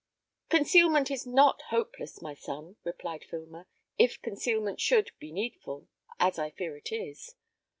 "Concealment is not hopeless, my son," replied Filmer, "if concealment should, be needful, as I fear it is.